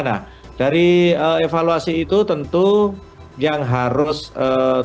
nah dari evaluasi itu tentu yang harus tidak perlu diomongkan